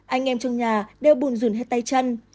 anh em trong nhà đều bùn dừn hết tay chân